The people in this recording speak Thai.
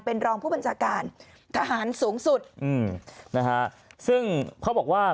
เป็นรองผู้บัญชาการทหารสูงสุดอืมนะฮะซึ่งเขาบอกว่า